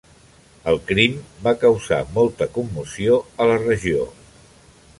El crim va causar molta commoció a la regió.